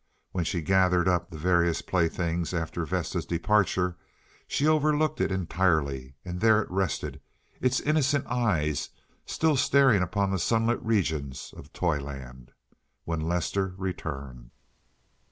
When she gathered up the various playthings after Vesta's departure she overlooked it entirely, and there it rested, its innocent eyes still staring upon the sunlit regions of toyland, when Lester returned.